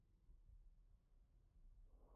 Tiene un olor suave y un delicado sabor.